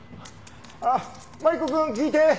あっマリコくん聞いて。